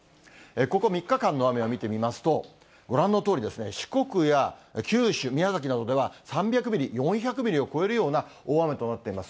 ここ３日間の雨を見てみますと、ご覧のとおりですね、四国や九州、宮崎などでは３００ミリ、４００ミリを超えるような大雨となっています。